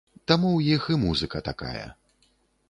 Таму ў іх і музыка такая.